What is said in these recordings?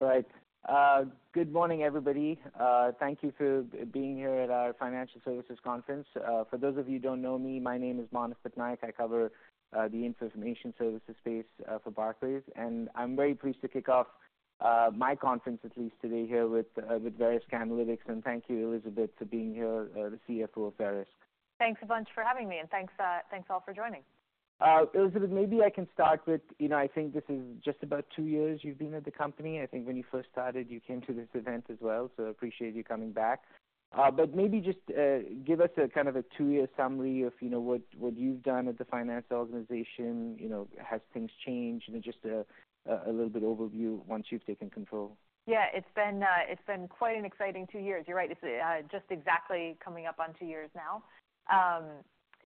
Right. Good morning, everybody. Thank you for being here at our financial services conference. For those of you who don't know me, my name is Manav Patnaik. I cover the information services space for Barclays, and I'm very pleased to kick off my conference, at least today, here with Verisk Analytics. And thank you, Elizabeth, for being here, the CFO of Verisk. Thanks a bunch for having me, and thanks all for joining. Elizabeth, maybe I can start with, you know, I think this is just about two years you've been at the company. I think when you first started, you came to this event as well, so I appreciate you coming back. But maybe just give us a kind of a two-year summary of, you know, what you've done at the finance organization. You know, have things changed? And just a little bit overview once you've taken control. Yeah, it's been quite an exciting two years. You're right, it's just exactly coming up on two years now.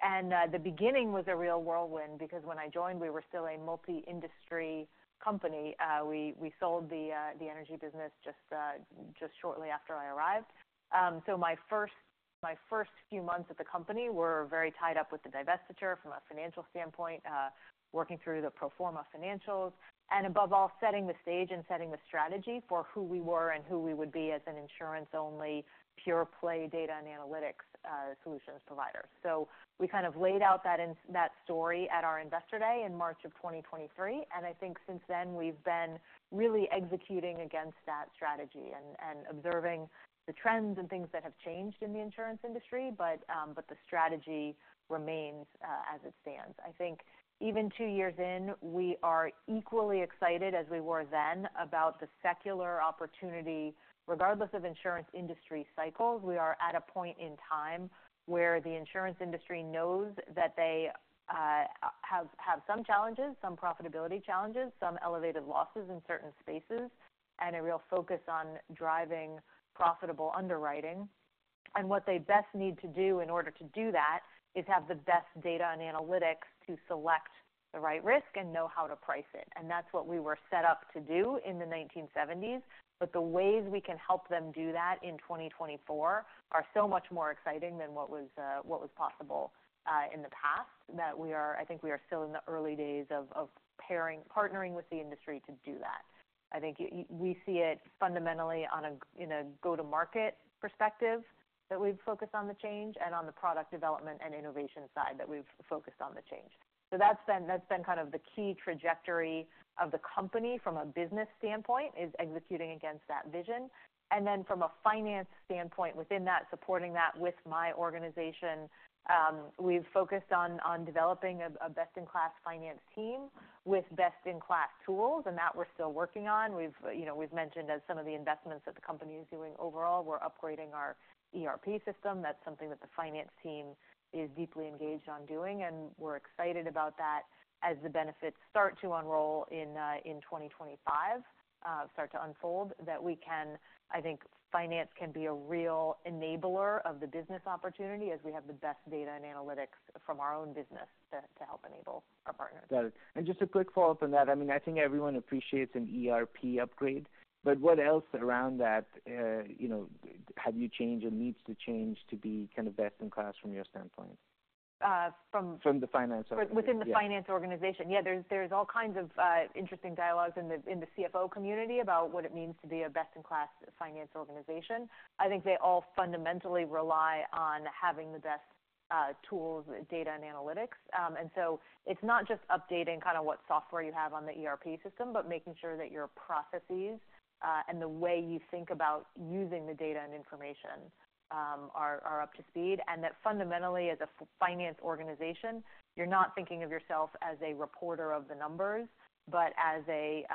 And the beginning was a real whirlwind because when I joined, we were still a multi-industry company. We sold the energy business just shortly after I arrived. So my first few months at the company were very tied up with the divestiture from a financial standpoint, working through the pro forma financials, and above all, setting the stage and setting the strategy for who we were and who we would be as an insurance-only, pure-play data and analytics solutions provider. So we kind of laid out that story at our Investor Day in March of 2023, and I think since then, we've been really executing against that strategy and observing the trends and things that have changed in the insurance industry. But the strategy remains as it stands. I think even two years in, we are equally excited as we were then about the secular opportunity. Regardless of insurance industry cycles, we are at a point in time where the insurance industry knows that they have some challenges, some profitability challenges, some elevated losses in certain spaces, and a real focus on driving profitable underwriting. What they best need to do in order to do that is have the best data and analytics to select the right risk and know how to price it, and that's what we were set up to do in the 1970s. The ways we can help them do that in 2024 are so much more exciting than what was possible in the past. I think we are still in the early days of partnering with the industry to do that. I think we see it fundamentally in a go-to-market perspective, that we've focused on the change and on the product development and innovation side. That's been kind of the key trajectory of the company from a business standpoint, is executing against that vision. Then from a finance standpoint, within that, supporting that with my organization, we've focused on developing a best-in-class finance team with best-in-class tools, and that we're still working on. We have, you know, mentioned some of the investments that the company is doing overall. We're upgrading our ERP system. That's something that the finance team is deeply engaged on doing, and we're excited about that as the benefits start to unroll in 2025, start to unfold, that we can. I think finance can be a real enabler of the business opportunity, as we have the best data and analytics from our own business to help enable our partners. Got it. And just a quick follow-up on that, I mean, I think everyone appreciates an ERP upgrade, but what else around that, you know, have you changed or needs to change to be kind of best-in-class from your standpoint? Uh, from? From the finance organization. Within the finance organization. Yeah. Yeah, there's all kinds of interesting dialogues in the CFO community about what it means to be a best-in-class finance organization. I think they all fundamentally rely on having the best tools, data, and analytics. And so it's not just updating kind of what software you have on the ERP system, but making sure that your processes and the way you think about using the data and information are up to speed. And that fundamentally, as a finance organization, you're not thinking of yourself as a reporter of the numbers, but as a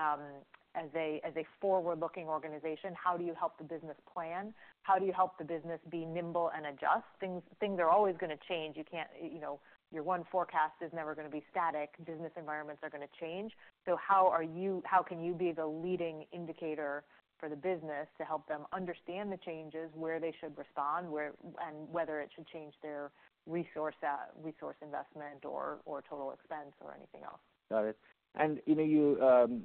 forward-looking organization, how do you help the business plan? How do you help the business be nimble and adjust? Things are always going to change. You can't, you know... Your one forecast is never going to be static. Business environments are going to change. So how can you be the leading indicator for the business to help them understand the changes, where they should respond, where and whether it should change their resource investment or total expense, or anything else? Got it. And you know, you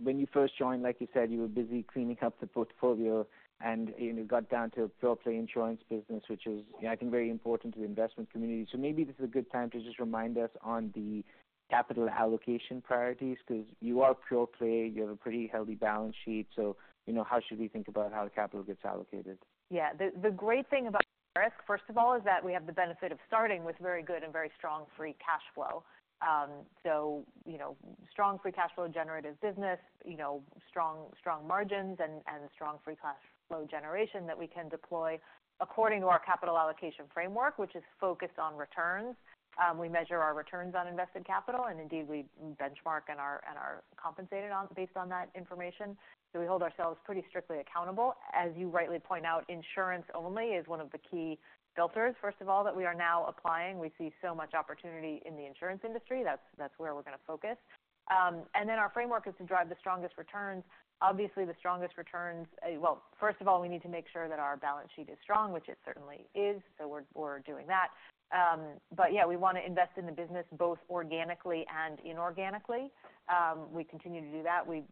when you first joined, like you said, you were busy cleaning up the portfolio and, you know, got down to a pure-play insurance business, which is, I think, very important to the investment community. So maybe this is a good time to just remind us on the capital allocation priorities, because you are pure-play, you have a pretty healthy balance sheet. So, you know, how should we think about how the capital gets allocated? Yeah. The great thing about Verisk, first of all, is that we have the benefit of starting with very good and very strong free cash flow. So you know, strong free cash flow generative business, you know, strong margins and strong free cash flow generation that we can deploy according to our capital allocation framework, which is focused on returns. We measure our returns on invested capital, and indeed, we benchmark and are compensated on, based on that information. So we hold ourselves pretty strictly accountable. As you rightly point out, insurance only is one of the key filters, first of all, that we are now applying. We see so much opportunity in the insurance industry. That's where we're going to focus. And then our framework is to drive the strongest returns. Obviously, the strongest returns... Well, first of all, we need to make sure that our balance sheet is strong, which it certainly is, so we're doing that. But yeah, we want to invest in the business both organically and inorganically. We continue to do that. We've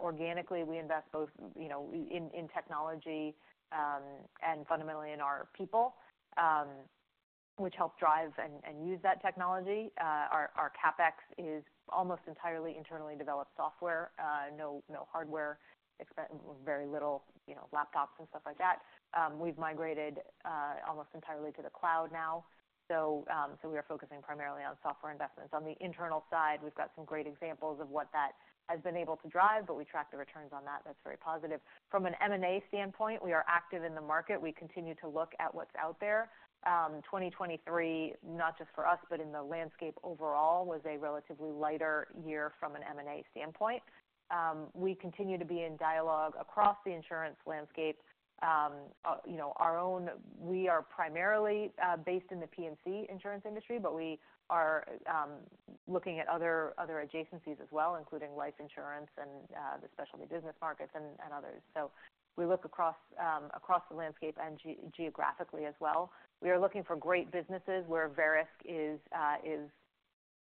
organically, we invest both, you know, in technology, and fundamentally in our people, which help drive and use that technology. Our CapEx is almost entirely internally developed software, no hardware expense, very little, you know, laptops and stuff like that. We've migrated almost entirely to the cloud now. So we are focusing primarily on software investments. On the internal side, we've got some great examples of what that has been able to drive, but we track the returns on that, that's very positive. From an M&A standpoint, we are active in the market. We continue to look at what's out there. 2023, not just for us, but in the landscape overall, was a relatively lighter year from an M&A standpoint. We continue to be in dialogue across the insurance landscape. You know, our own—we are primarily based in the P&C insurance industry, but we are looking at other adjacencies as well, including life insurance and the specialty business markets and others. So we look across the landscape and geographically as well. We are looking for great businesses where Verisk is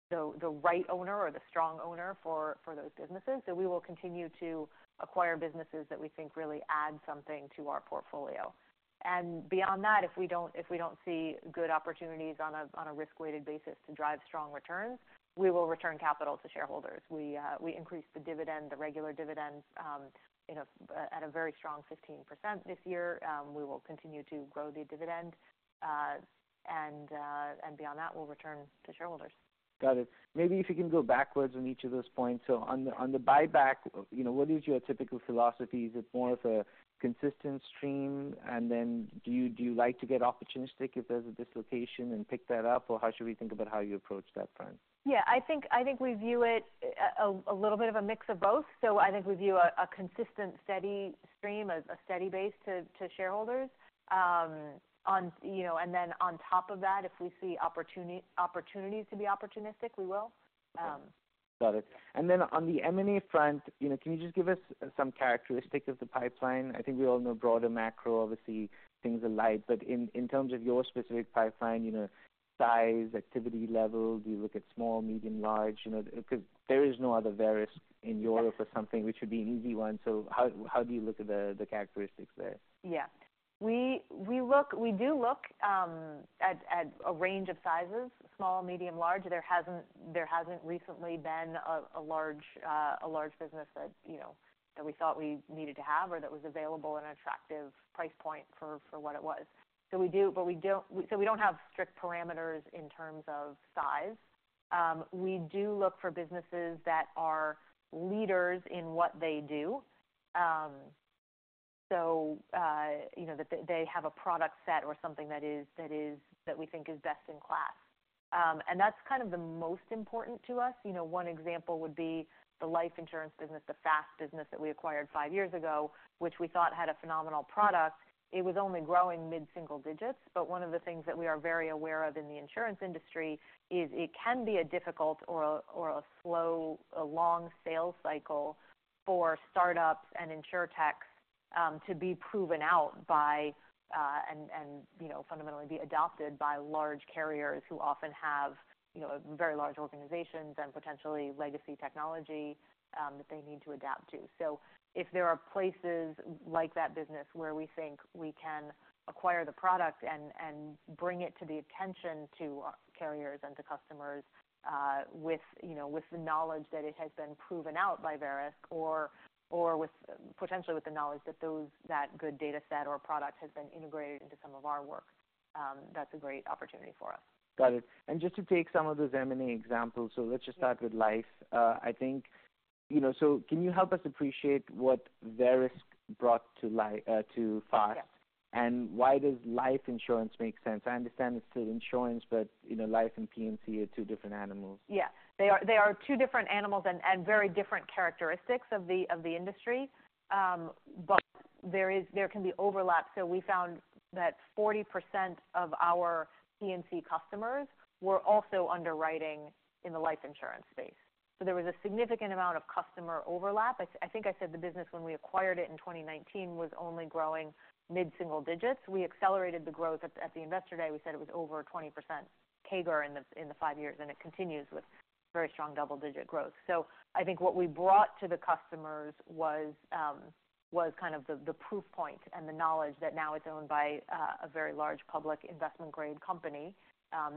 the right owner or the strong owner for those businesses. So we will continue to acquire businesses that we think really add something to our portfolio. Beyond that, if we don't see good opportunities on a risk-weighted basis to drive strong returns, we will return capital to shareholders. We increased the dividend, the regular dividend, you know, at a very strong 15% this year. We will continue to grow the dividend, and beyond that, we'll return to shareholders. Got it. Maybe if you can go backwards on each of those points. So on the buyback, you know, what is your typical philosophy? Is it more of a consistent stream, and then do you like to get opportunistic if there's a dislocation and pick that up? Or how should we think about how you approach that trend? Yeah, I think we view it a little bit of a mix of both. So I think we view a consistent, steady stream, a steady base to shareholders. On, you know, and then on top of that, if we see opportunities to be opportunistic, we will. Got it. And then on the M&A front, you know, can you just give us some characteristics of the pipeline? I think we all know broader macro, obviously, things are light. But in terms of your specific pipeline, you know, size, activity level, do you look at small, medium, large? You know, because there is no other Verisk in Europe or something, which would be an easy one. So how do you look at the characteristics there? Yeah. We do look at a range of sizes, small, medium, large. There hasn't recently been a large business that you know that we thought we needed to have or that was available at an attractive price point for what it was. So we do, but we don't have strict parameters in terms of size. We do look for businesses that are leaders in what they do. So you know that they have a product set or something that we think is best in class. And that's kind of the most important to us. You know, one example would be the life insurance business, the FAST business that we acquired five years ago, which we thought had a phenomenal product. It was only growing mid-single digits, but one of the things that we are very aware of in the insurance industry is it can be a difficult or a slow, long sales cycle for startups and insurtechs to be proven out by, and you know, fundamentally be adopted by large carriers who often have, you know, very large organizations and potentially legacy technology that they need to adapt to. So if there are places like that business where we think we can acquire the product and bring it to the attention to our carriers and to customers, with you know, with the knowledge that it has been proven out by Verisk, or potentially with the knowledge that those that good data set or product has been integrated into some of our work, that's a great opportunity for us. Got it and just to take some of those M&A examples, so let's just start with life. I think, you know, so can you help us appreciate what Verisk brought to FAST? And why does life insurance make sense? I understand it's still insurance, but you know, life and P&C are two different animals. Yeah. They are, they are two different animals and, and very different characteristics of the, of the industry. But there can be overlap. So we found that 40% of our P&C customers were also underwriting in the life insurance space. So there was a significant amount of customer overlap. I think I said the business when we acquired it in 2019 was only growing mid-single digits. We accelerated the growth. At the investor day, we said it was over 20% CAGR in the five years, and it continues with very strong double-digit growth. So I think what we brought to the customers was kind of the proof point and the knowledge that now it's owned by a very large public investment-grade company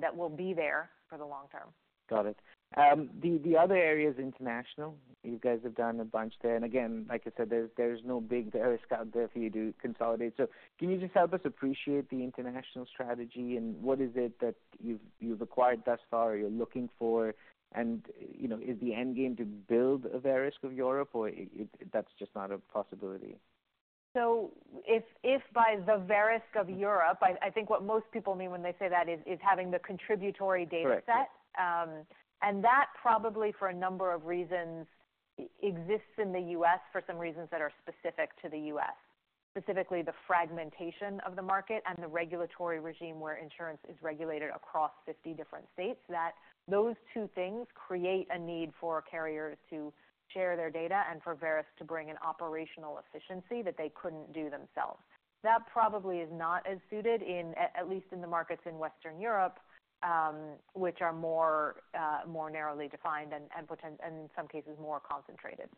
that will be there for the long term. Got it. The other area is international. You guys have done a bunch there, and again, like I said, there's no big Verisk out there for you to consolidate. So can you just help us appreciate the international strategy, and what is it that you've acquired thus far or you're looking for? And, you know, is the end game to build a Verisk of Europe, or that's just not a possibility? If by the Verisk of Europe, I think what most people mean when they say that is having the contributory data set. Correct. And that probably, for a number of reasons, exists in the U.S. for some reasons that are specific to the U.S. Specifically, the fragmentation of the market and the regulatory regime where insurance is regulated across fifty different states, that those two things create a need for carriers to share their data and for Verisk to bring an operational efficiency that they couldn't do themselves. That probably is not as suited in, at least in the markets in Western Europe, which are more narrowly defined and, in some cases, more concentrated.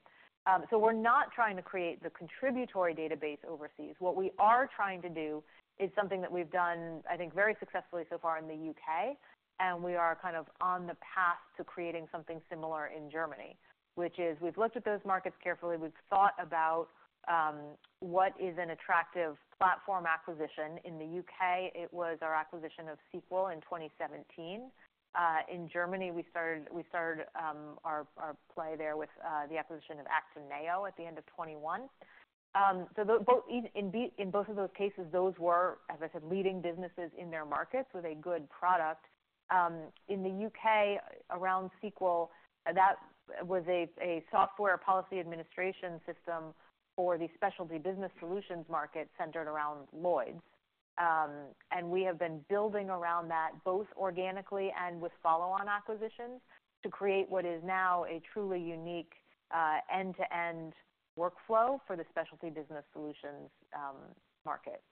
So we're not trying to create the contributory database overseas. What we are trying to do is something that we've done, I think, very successfully so far in the UK, and we are kind of on the path to creating something similar in Germany, which is we've looked at those markets carefully. We've thought about what is an attractive platform acquisition. In the UK, it was our acquisition of Sequel in twenty seventeen. In Germany, we started our play there with the acquisition of Acteneo at the end of twenty one. So in both of those cases, those were, as I said, leading businesses in their markets with a good product. In the UK, around Sequel, that was a software policy administration system for the specialty business solutions market centered around Lloyd's. And we have been building around that, both organically and with follow-on acquisitions, to create what is now a truly unique, end-to-end workflow for the specialty business solutions, market.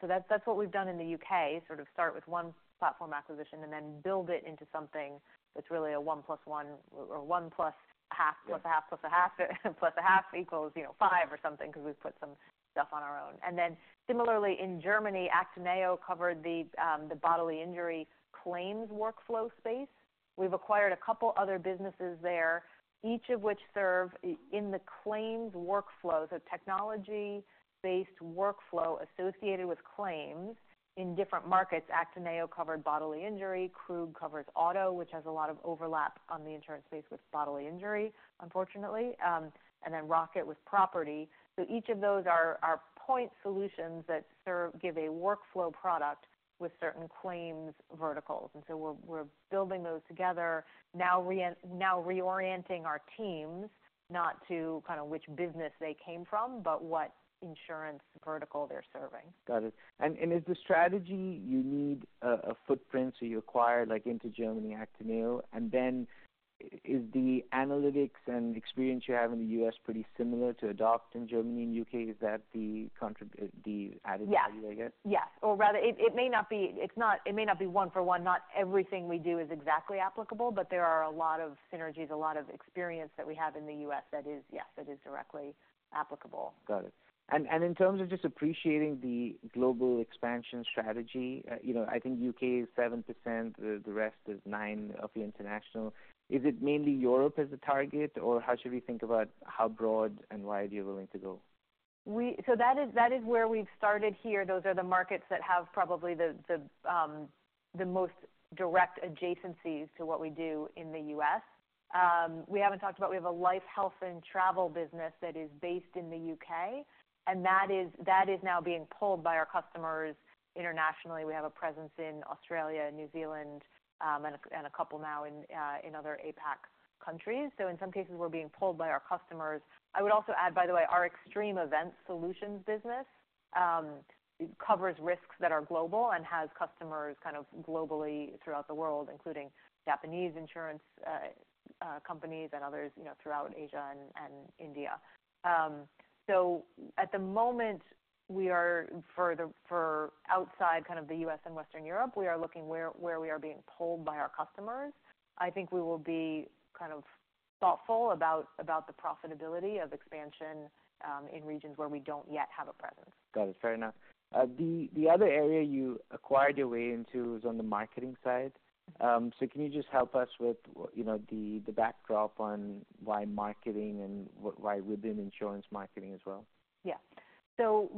So that's what we've done in the UK, sort of start with one platform acquisition and then build it into something that's really a one plus one, or one plus half, plus a half, plus a half, plus a half equals, you know, five or something, because we've put some stuff on our own. And then similarly, in Germany, Actineo covered the, the bodily injury claims workflow space. We've acquired a couple other businesses there, each of which serve in the claims workflow, so technology-based workflow associated with claims in different markets. Actineo covered bodily injury, Krug covers auto, which has a lot of overlap on the insurance space with bodily injury, unfortunately, and then Rocket with property. Each of those are point solutions that give a workflow product with certain claims verticals. We're building those together, now reorienting our teams not to kind of which business they came from, but what insurance vertical they're serving. Got it. And is the strategy you need a footprint, so you acquire, like into Germany, Actineo, and then is the analytics and experience you have in the U.S. pretty similar to adopt in Germany and U.K.? Is that the added value, I guess? Yes. Or rather, it may not be one for one. It's not. It may not be one for one. Not everything we do is exactly applicable, but there are a lot of synergies, a lot of experience that we have in the U.S. that is, yes, that is directly applicable. Got it. And in terms of just appreciating the global expansion strategy, you know, I think UK is 7%, the rest is 9% of the international. Is it mainly Europe as a target, or how should we think about how broad and wide you're willing to go? So that is, that is where we've started here. Those are the markets that have probably the most direct adjacencies to what we do in the U.S. We haven't talked about. We have a life, health, and travel business that is based in the U.K., and that is, that is now being pulled by our customers internationally. We have a presence in Australia and New Zealand, and a couple now in other APAC countries. In some cases, we're being pulled by our customers. I would also add, by the way, our Extreme Event Solutions business. It covers risks that are global and has customers kind of globally throughout the world, including Japanese insurance companies and others, you know, throughout Asia and India. So, at the moment, we are, for outside kind of the U.S. and Western Europe, looking where we are being pulled by our customers. I think we will be kind of thoughtful about the profitability of expansion in regions where we don't yet have a presence. Got it. Fair enough. The other area you acquired your way into is on the marketing side. So can you just help us with, you know, the backdrop on why marketing and why within insurance marketing as well? Yeah. So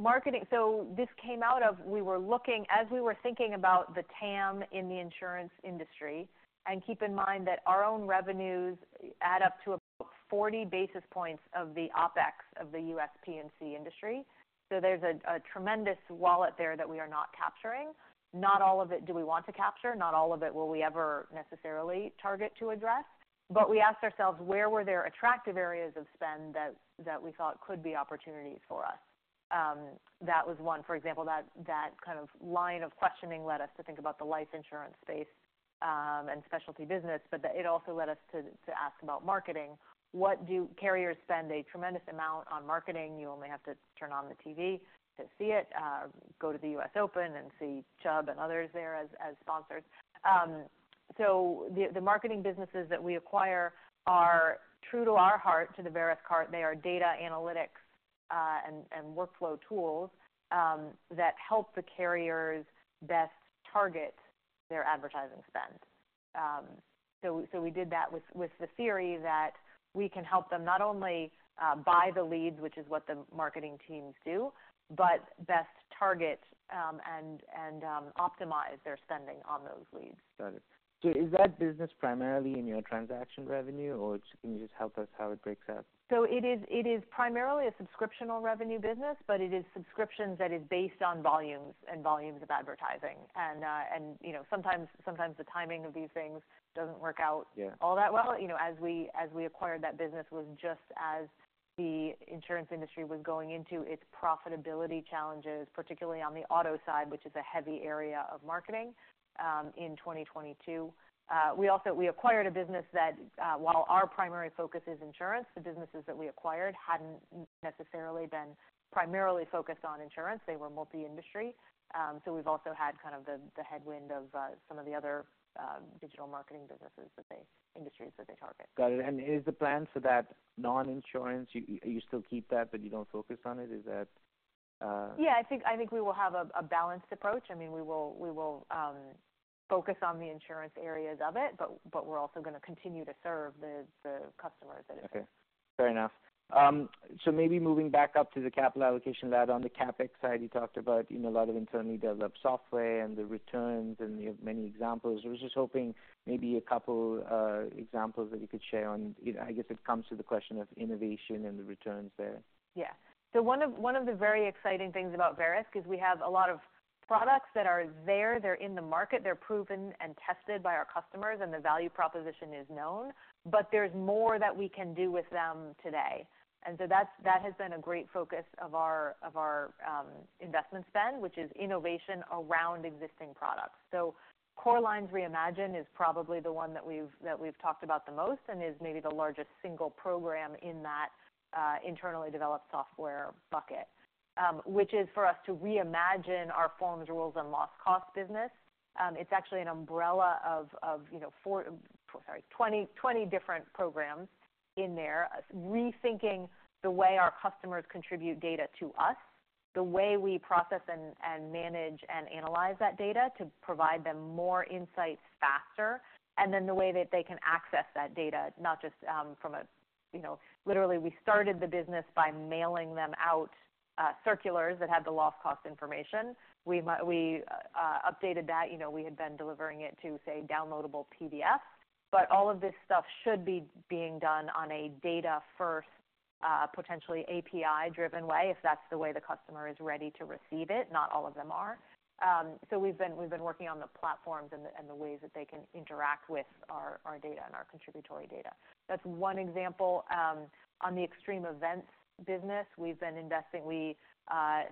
this came out of we were looking, as we were thinking about the TAM in the insurance industry, and keep in mind that our own revenues add up to about forty basis points of the OpEx of the U.S. P&C industry. So there's a tremendous wallet there that we are not capturing. Not all of it do we want to capture, not all of it will we ever necessarily target to address, but we asked ourselves, where were there attractive areas of spend that we thought could be opportunities for us? That was one. For example, that kind of line of questioning led us to think about the life insurance space, and specialty business, but it also led us to ask about marketing. What do carriers spend a tremendous amount on marketing? You only have to turn on the TV to see it, go to the US Open and see Chubb and others there as sponsors. So the marketing businesses that we acquire are true to our heart, to the Verisk heart. They are data analytics and workflow tools that help the carriers best target their advertising spend. So we did that with the theory that we can help them not only buy the leads, which is what the marketing teams do, but best target and optimize their spending on those leads. Got it. So is that business primarily in your transaction revenue, or can you just help us how it breaks out? So it is primarily a subscription revenue business, but it is subscriptions that is based on volumes and volumes of advertising. And you know, sometimes the timing of these things doesn't work out- Yeah... all that well. You know, as we, as we acquired that business, was just as the insurance industry was going into its profitability challenges, particularly on the auto side, which is a heavy area of marketing, in 2022. We also, we acquired a business that, while our primary focus is insurance, the businesses that we acquired hadn't necessarily been primarily focused on insurance. They were multi-industry. So we've also had kind of the headwind of some of the other digital marketing businesses that they, industries that they target. Got it. And is the plan for that non-insurance, you still keep that, but you don't focus on it? Is that-... Yeah, I think we will have a balanced approach. I mean, we will focus on the insurance areas of it, but we're also gonna continue to serve the customers that are- Okay, fair enough. So maybe moving back up to the capital allocation ladder on the CapEx side, you talked about, you know, a lot of internally developed software and the returns, and you have many examples. I was just hoping maybe a couple examples that you could share on, you know, I guess it comes to the question of innovation and the returns there. Yeah. So one of the very exciting things about Verisk is we have a lot of products that are there, they're in the market, they're proven and tested by our customers, and the value proposition is known, but there's more that we can do with them today. And so that has been a great focus of our investment spend, which is innovation around existing products. So Core Lines Reimagined is probably the one that we've talked about the most and is maybe the largest single program in that internally developed software bucket, which is for us to reimagine our forms, rules, and loss cost business. It's actually an umbrella of, you know, four, sorry, twenty, twenty different programs in there, rethinking the way our customers contribute data to us, the way we process and manage and analyze that data to provide them more insights faster, and then the way that they can access that data, not just from a... You know, literally, we started the business by mailing them out circulars that had the loss cost information. We updated that. You know, we had been delivering it to, say, downloadable PDF. But all of this stuff should be being done on a data-first, potentially API-driven way, if that's the way the customer is ready to receive it, not all of them are. So we've been working on the platforms and the ways that they can interact with our data and our contributory data. That's one example. On the extreme events business, we've been investing.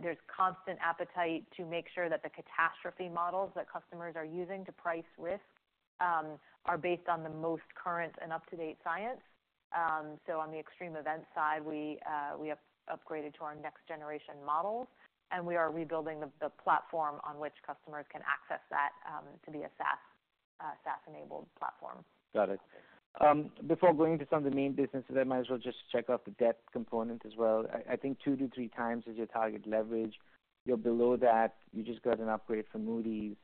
There's constant appetite to make sure that the catastrophe models that customers are using to price risk are based on the most current and up-to-date science. So on the extreme event side, we have upgraded to our next generation models, and we are rebuilding the platform on which customers can access that to be a SaaS-enabled platform. Got it. Before going into some of the main businesses, I might as well just check out the debt component as well. I think two to three times is your target leverage. You're below that. You just got an upgrade from Moody's.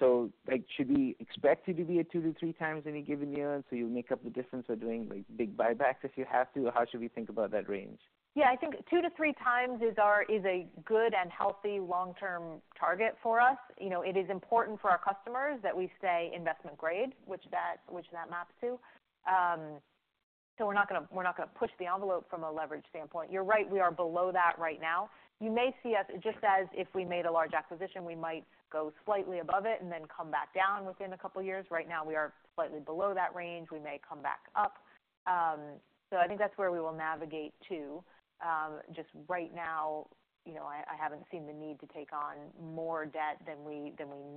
So, like, should we expect you to be at two to three times any given year, and so you make up the difference of doing, like, big buybacks if you have to? Or how should we think about that range? Yeah, I think two to three times is a good and healthy long-term target for us. You know, it is important for our customers that we stay investment grade, which that maps to. So we're not gonna push the envelope from a leverage standpoint. You're right, we are below that right now. You may see us, just as if we made a large acquisition, we might go slightly above it and then come back down within a couple of years. Right now, we are slightly below that range. We may come back up. So I think that's where we will navigate to. Just right now, you know, I haven't seen the need to take on more debt than we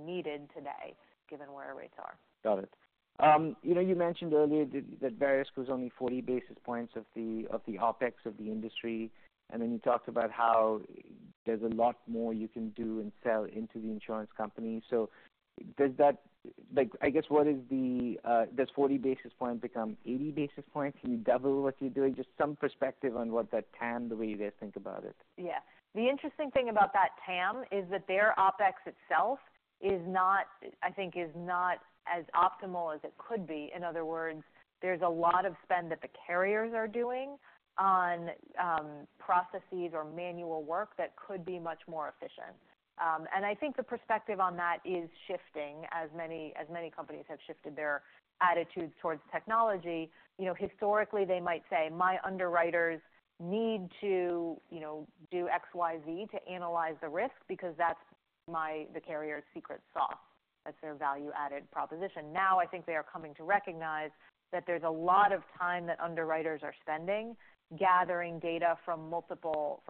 needed today, given where our rates are. Got it. You know, you mentioned earlier that Verisk was only forty basis points of the OpEx of the industry, and then you talked about how there's a lot more you can do and sell into the insurance company. So, like, I guess, does forty basis points become eighty basis points? Can you double what you're doing? Just some perspective on what that TAM, the way we think about it. Yeah. The interesting thing about that TAM is that their OpEx itself is not, I think, as optimal as it could be. In other words, there's a lot of spend that the carriers are doing on processes or manual work that could be much more efficient, and I think the perspective on that is shifting as many companies have shifted their attitudes towards technology. You know, historically, they might say, "My underwriters need to, you know, do XYZ to analyze the risk, because that's the carrier's secret sauce. That's their value-added proposition." Now, I think they are coming to recognize that there's a lot of time that underwriters are spending gathering data from multiple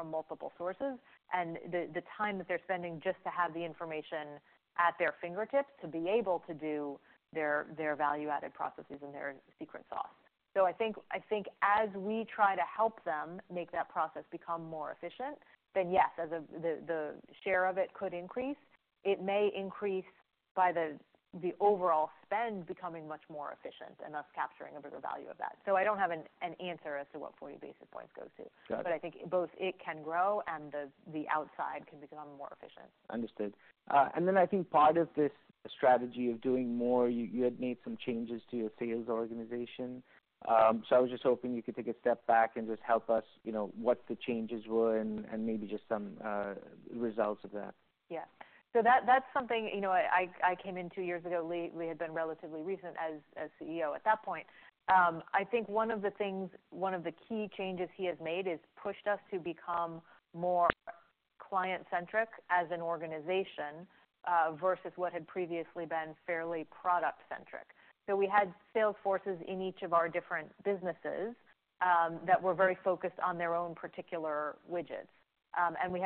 sources, and the time that they're spending just to have the information at their fingertips to be able to do their value-added processes and their secret sauce. So I think, I think as we try to help them make that process become more efficient, then yes, as the share of it could increase, it may increase by the overall spend becoming much more efficient and thus capturing a bigger value of that. So I don't have an answer as to what forty basis points goes to. Got it. But I think both it can grow and the outside can become more efficient. Understood, and then I think part of this strategy of doing more, you had made some changes to your sales organization. So I was just hoping you could take a step back and just help us, you know, what the changes were and maybe just some results of that. Yeah. So that, that's something, you know, I came in two years ago. Lee had been relatively recent as CEO at that point. I think one of the things, one of the key changes he has made is pushed us to become more client-centric as an organization, versus what had previously been fairly product-centric. So we had sales forces in each of our different businesses, that were very focused on their own particular widgets. And we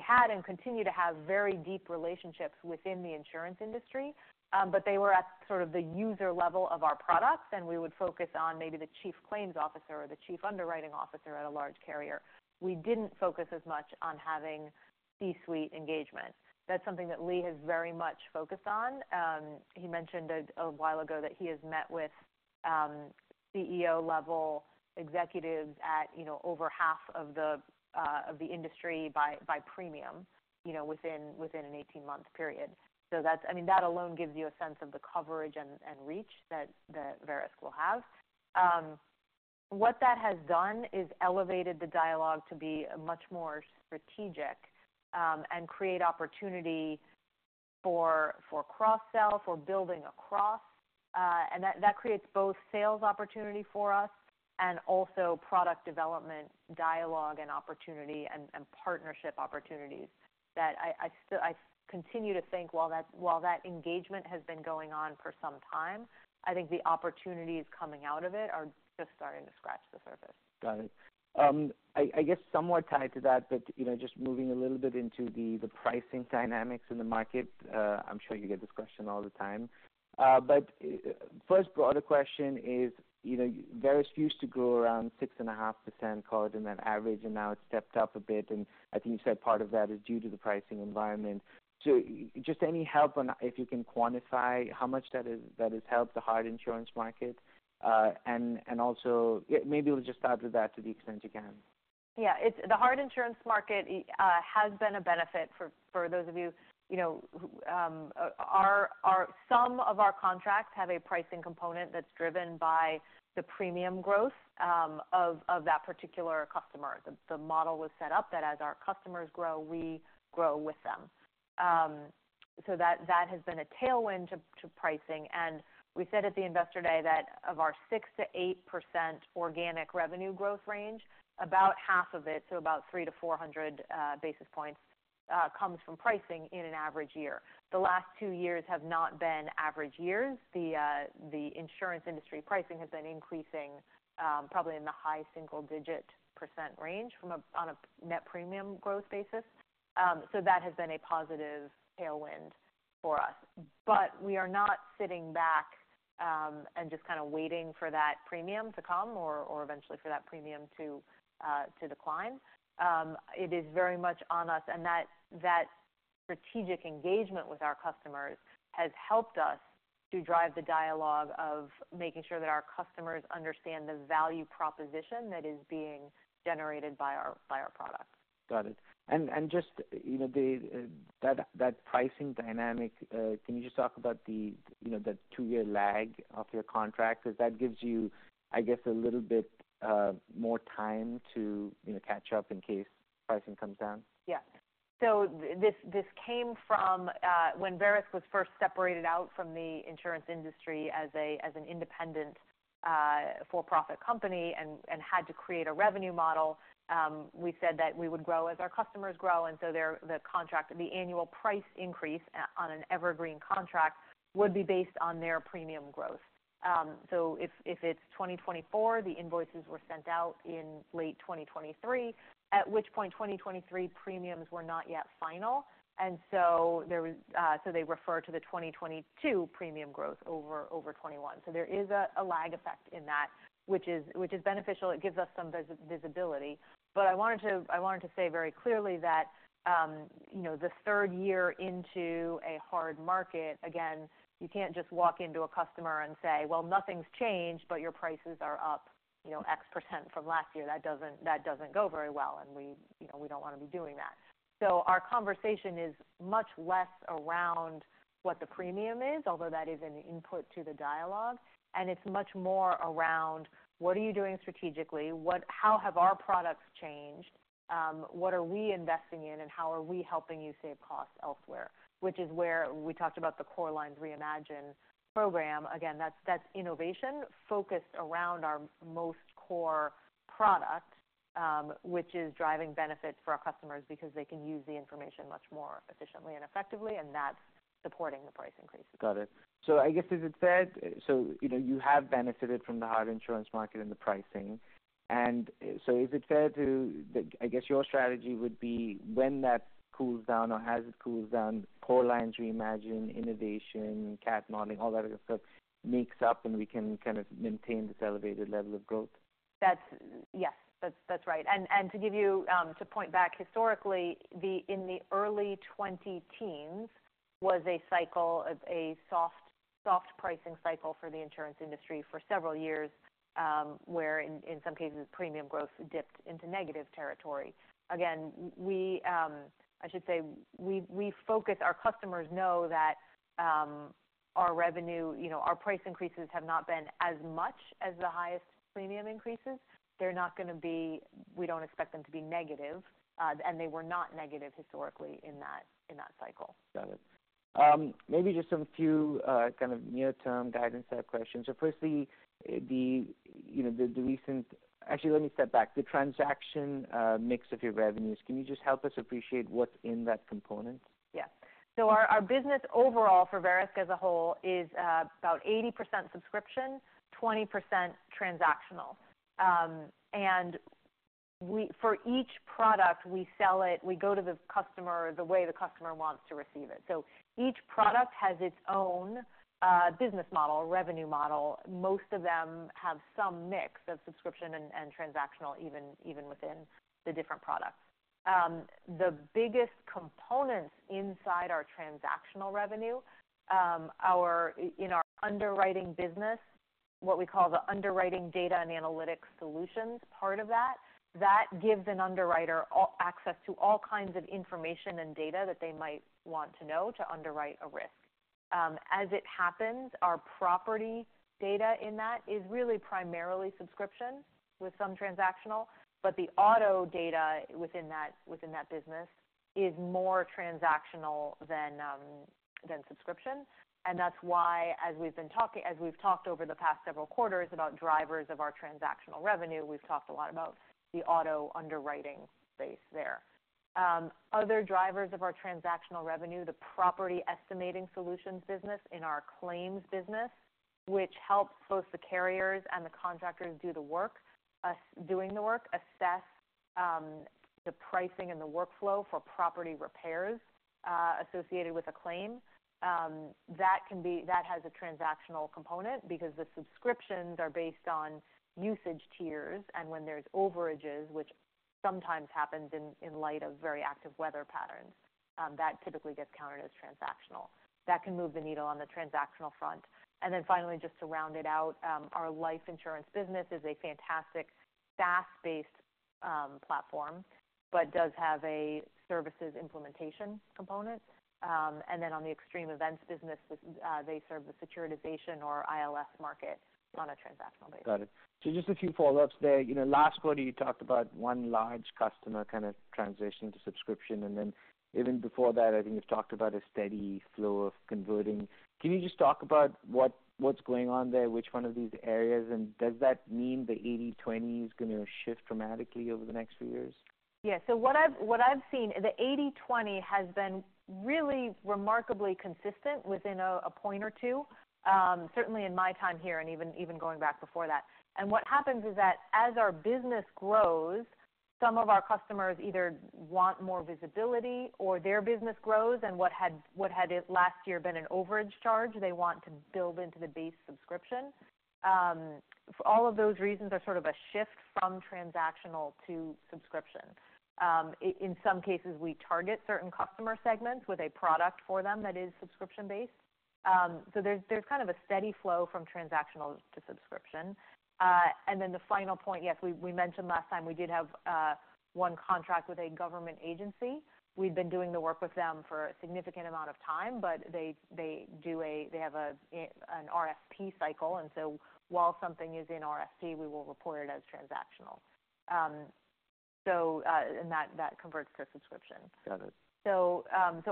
had and continue to have very deep relationships within the insurance industry, but they were at sort of the user level of our products, and we would focus on maybe the chief claims officer or the chief underwriting officer at a large carrier. We didn't focus as much on having C-suite engagement. That's something that Lee has very much focused on. He mentioned a while ago that he has met with CEO-level executives at, you know, over half of the industry by premium, you know, within an eighteen-month period. So that's. I mean, that alone gives you a sense of the coverage and reach that Verisk will have. What that has done is elevated the dialogue to be much more strategic and create opportunity for cross sell, for building across, and that creates both sales opportunity for us and also product development dialogue and opportunity, and partnership opportunities that I still continue to think while that engagement has been going on for some time, I think the opportunities coming out of it are just starting to scratch the surface. Got it. I guess somewhat tied to that, but you know, just moving a little bit into the pricing dynamics in the market. I'm sure you get this question all the time. But first broader question is, you know, Verisk used to grow around 6.5%, call it, in that average, and now it's stepped up a bit, and I think you said part of that is due to the pricing environment. So just any help on if you can quantify how much that has helped the hard insurance market? And also... Yeah, maybe we'll just start with that to the extent you can. Yeah, it's the hard insurance market has been a benefit for those of you, you know. Some of our contracts have a pricing component that's driven by the premium growth of that particular customer. The model was set up that as our customers grow, we grow with them. So that has been a tailwind to pricing. And we said at the Investor Day that of our 6%-8% organic revenue growth range, about half of it, so about 300-400 basis points, comes from pricing in an average year. The last two years have not been average years. The insurance industry pricing has been increasing probably in the high single-digit % range on a net premium growth basis. So that has been a positive tailwind for us. But we are not sitting back, and just kind of waiting for that premium to come or eventually for that premium to decline. It is very much on us, and that strategic engagement with our customers has helped us to drive the dialogue of making sure that our customers understand the value proposition that is being generated by our products. Got it. And just, you know, the pricing dynamic, can you just talk about the, you know, the two-year lag of your contract? Because that gives you, I guess, a little bit more time to, you know, catch up in case pricing comes down. Yeah. So this, this came from, when Verisk was first separated out from the insurance industry as a, as an independent, for-profit company and, and had to create a revenue model, we said that we would grow as our customers grow, and so the contract, the annual price increase on an evergreen contract would be based on their premium growth. So if, if it's 2024, the invoices were sent out in late 2023, at which point 2023 premiums were not yet final, and so there was, so they refer to the 2022 premium growth over 2021. So there is a lag effect in that, which is beneficial. It gives us some visibility. I wanted to say very clearly that, you know, the third year into a hard market, again, you can't just walk into a customer and say: Well, nothing's changed, but your prices are up, you know, X% from last year. That doesn't go very well, and we, you know, we don't want to be doing that. So our conversation is much less around what the premium is, although that is an input to the dialogue, and it's much more around: What are you doing strategically? How have our products changed? What are we investing in, and how are we helping you save costs elsewhere? Which is where we talked about the Core Lines Reimagined program. Again, that's innovation focused around our most core product, which is driving benefits for our customers because they can use the information much more efficiently and effectively, and that's supporting the price increases. Got it. So I guess, is it fair... So you know, you have benefited from the hard insurance market and the pricing. And so is it fair to, I guess your strategy would be when that cools down or as it cools down, Core Lines Reimagined, innovation, CAT modeling, all that other stuff, makes up and we can kind of maintain this elevated level of growth? That's. Yes, that's right. And to give you, to point back historically, in the early twenty-teens, was a cycle, a soft pricing cycle for the insurance industry for several years, where in some cases, premium growth dipped into negative territory. Again, I should say, we focus. Our customers know that, our revenue, you know, our price increases have not been as much as the highest premium increases. They're not gonna be. We don't expect them to be negative, and they were not negative historically in that cycle. Got it. Maybe just some few kind of near-term guidance type questions. So firstly, you know, the recent... Actually, let me step back. The transaction mix of your revenues, can you just help us appreciate what's in that component? Yeah, so our business overall for Verisk as a whole is about 80% subscription, 20% transactional. And for each product, we sell it. We go to the customer the way the customer wants to receive it, so each product has its own business model, revenue model. Most of them have some mix of subscription and transactional, even within the different products. The biggest components inside our transactional revenue, in our underwriting business, what we call the Underwriting Data and Analytics Solutions part of that, that gives an underwriter all access to all kinds of information and data that they might want to know to underwrite a risk. As it happens, our property data in that is really primarily subscription with some transactional, but the auto data within that business is more transactional than subscription. And that's why, as we've talked over the past several quarters about drivers of our transactional revenue, we've talked a lot about the auto underwriting space there. Other drivers of our transactional revenue, the Property Estimating Solutions business in our claims business, which helps both the carriers and the contractors do the work, assess the pricing and the workflow for property repairs associated with a claim. That has a transactional component because the subscriptions are based on usage tiers, and when there's overages, which sometimes happens in light of very active weather patterns, that typically gets counted as transactional. That can move the needle on the transactional front. And then finally, just to round it out, our life insurance business is a fantastic SaaS-based, platform, but does have a services implementation component. And then on the extreme events business, they serve the securitization or ILS market on a transactional basis. Got it. So just a few follow-ups there. You know, last quarter, you talked about one large customer kind of transition to subscription, and then even before that, I think you've talked about a steady flow of converting. Can you just talk about what, what's going on there, which one of these areas, and does that mean the eighty/twenty is going to shift dramatically over the next few years? Yes. So what I've seen, the eighty/twenty has been really remarkably consistent within a point or two, certainly in my time here, and even going back before that. And what happens is that as our business grows, some of our customers either want more visibility or their business grows, and what had last year been an overage charge, they want to build into the base subscription. For all of those reasons are sort of a shift from transactional to subscription. In some cases, we target certain customer segments with a product for them that is subscription-based. So there's kind of a steady flow from transactional to subscription. And then the final point, yes, we mentioned last time we did have one contract with a government agency. We've been doing the work with them for a significant amount of time, but they have an RFP cycle, and so while something is in RFP, we will report it as transactional. So, and that converts to a subscription. Got it. So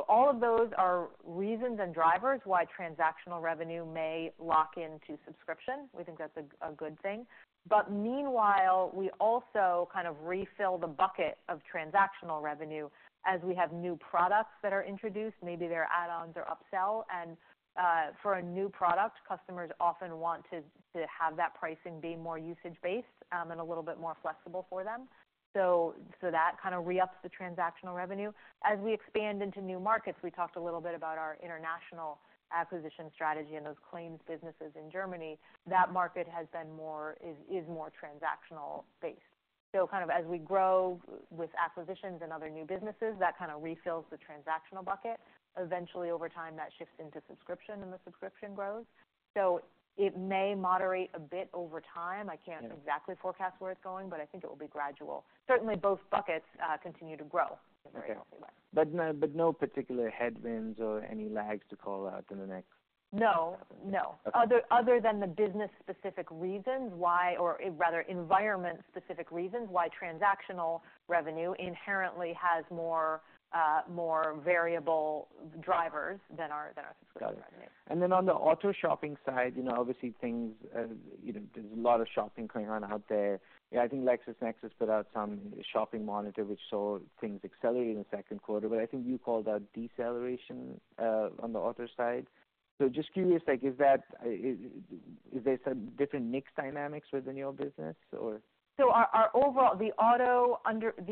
all of those are reasons and drivers why transactional revenue may lock into subscription. We think that's a good thing. But meanwhile, we also kind of refill the bucket of transactional revenue as we have new products that are introduced, maybe they're add-ons or upsell. And for a new product, customers often want to have that pricing be more usage-based, and a little bit more flexible for them. So that kind of re-ups the transactional revenue. As we expand into new markets, we talked a little bit about our international acquisition strategy and those claims businesses in Germany, that market has been more, is more transactional based. So kind of as we grow with acquisitions and other new businesses, that kind of refills the transactional bucket. Eventually, over time, that shifts into subscription, and the subscription grows. It may moderate a bit over time. Yeah. I can't exactly forecast where it's going, but I think it will be gradual. Certainly, both buckets continue to grow in a very healthy way. But no, but no particular headwinds or any lags to call out in the next? No, no. Okay. Other than the business-specific reasons why, or rather environment-specific reasons why, transactional revenue inherently has more variable drivers than our subscription revenue. Got it. And then on the auto shopping side, you know, obviously things, you know, there's a lot of shopping going on out there. I think LexisNexis put out some shopping monitor, which saw things accelerating in the second quarter, but I think you called out deceleration on the auto side. So just curious, like, is that, is there some different mix dynamics within your business, or? So our overall. The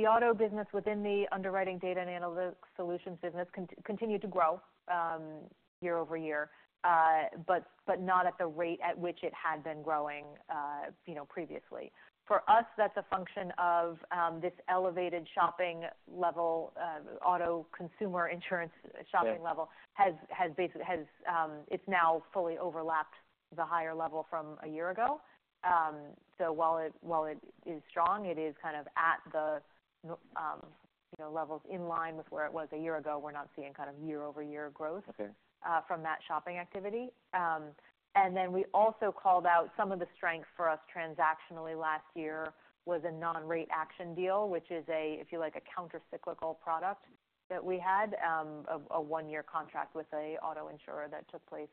auto business within the Underwriting Data and Analytics Solutions business continued to grow year over year, but not at the rate at which it had been growing, you know, previously. For us, that's a function of this elevated shopping level, auto consumer insurance- Yeah... shopping level has basically, it's now fully overlapped the higher level from a year ago. So while it is strong, it is kind of at the, you know, levels in line with where it was a year ago. We're not seeing kind of year-over-year growth- Okay... from that shopping activity, and then we also called out some of the strength for us transactionally last year was a non-rate action deal, which is, if you like, a countercyclical product that we had, a one-year contract with a auto insurer that took place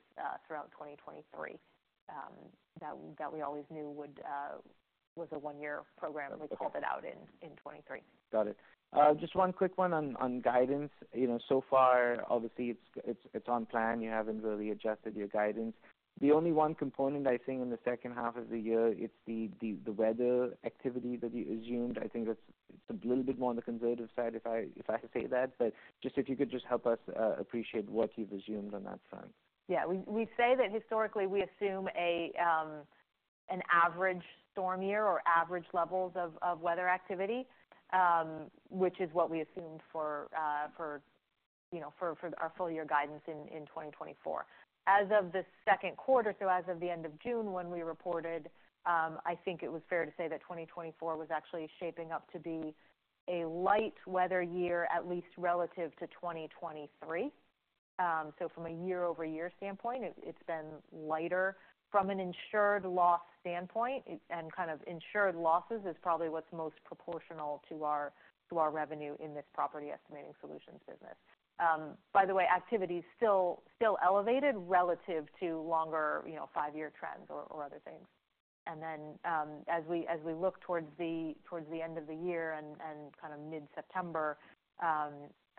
throughout twenty twenty-three, that we always knew would was a one-year program, and we called it out in twenty-three. Got it. Just one quick one on guidance. You know, so far, obviously, it's on plan. You haven't really adjusted your guidance. The only one component, I think, in the second half of the year, it's the weather activity that you assumed. I think it's a little bit more on the conservative side, if I can say that, but just if you could just help us appreciate what you've assumed on that front. Yeah, we say that historically, we assume an average storm year or average levels of weather activity, which is what we assumed for, you know, for our full year guidance in twenty twenty-four. As of the second quarter, so as of the end of June when we reported, I think it was fair to say that twenty twenty-four was actually shaping up to be a light weather year, at least relative to twenty twenty-three. So from a year-over-year standpoint, it's been lighter. From an insured loss standpoint, and kind of insured losses is probably what's most proportional to our revenue in this Property Estimating Solutions business. By the way, activity is still elevated relative to longer, you know, five-year trends or other things. And then, as we look towards the end of the year and kind of mid-September,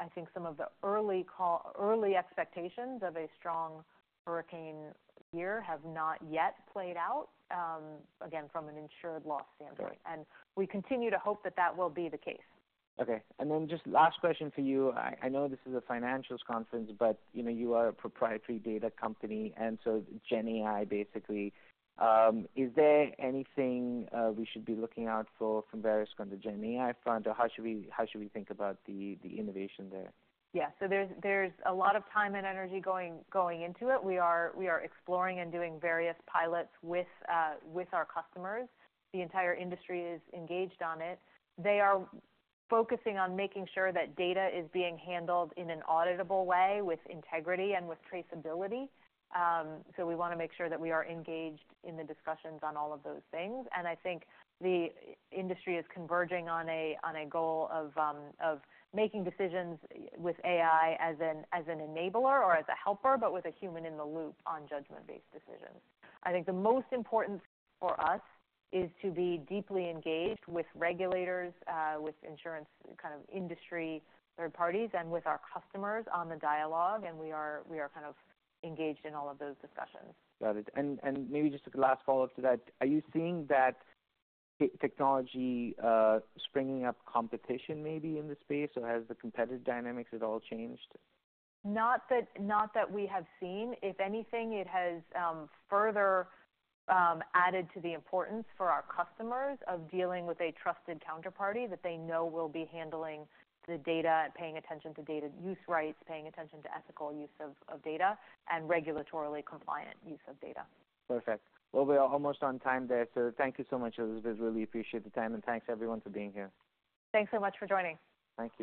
I think some of the early expectations of a strong hurricane year have not yet played out, again, from an insured loss standpoint. Sure. We continue to hope that that will be the case. Okay. And then just last question for you. I know this is a financials conference, but you know, you are a proprietary data company, and so GenAI, basically. Is there anything we should be looking out for from Verisk on the GenAI front? Or how should we think about the innovation there? Yeah. So there's a lot of time and energy going into it. We are exploring and doing various pilots with our customers. The entire industry is engaged on it. They are focusing on making sure that data is being handled in an auditable way, with integrity and with traceability. So we want to make sure that we are engaged in the discussions on all of those things. And I think the industry is converging on a goal of making decisions with AI as an enabler or as a helper, but with a human in the loop on judgment-based decisions. I think the most important for us is to be deeply engaged with regulators, with insurance kind of industry third parties, and with our customers on the dialogue, and we are kind of engaged in all of those discussions. Got it. And, and maybe just a last follow-up to that, are you seeing that technology springing up competition maybe in the space, or has the competitive dynamics at all changed? Not that, not that we have seen. If anything, it has further added to the importance for our customers of dealing with a trusted counterparty that they know will be handling the data and paying attention to data use rights, paying attention to ethical use of data, and regulatorily compliant use of data. Perfect. Well, we are almost on time there, so thank you so much, Elizabeth. Really appreciate the time, and thanks, everyone, for being here. Thanks so much for joining. Thank you.